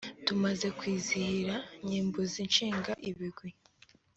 Tumaze kwizihira Nyimbunzi, nshinga ibigwi,